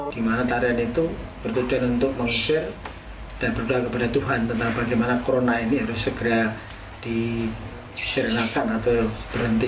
di mana tarian itu bertujuan untuk mengusir dan berdoa kepada tuhan tentang bagaimana corona ini harus segera diserenakan atau berhenti